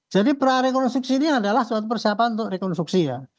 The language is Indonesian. jadi prarekonstruksi ini adalah suatu persiapan untuk rekonstruksi ya